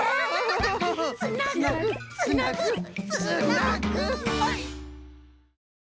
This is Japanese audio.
つなぐつなぐつなぐ！